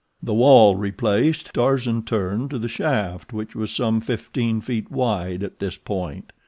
The wall replaced, Tarzan turned to the shaft, which was some fifteen feet wide at this point.